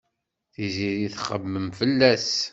Tiziri txemmem fell-as.